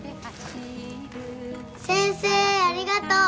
先生ありがとう。